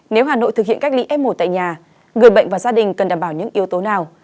nếu hà nội thực hiện cách ly f một tại nhà người bệnh và gia đình cần đảm bảo những yếu tố nào